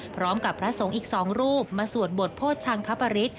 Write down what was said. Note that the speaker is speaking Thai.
พร้อมกับพระสงค์อีกสองรูปมาสวดบทโพธิชังคพริษ